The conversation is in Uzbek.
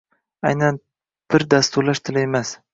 Aynan bir dasturlash tili emas